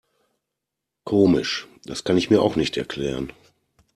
Komisch, das kann ich mir auch nicht erklären.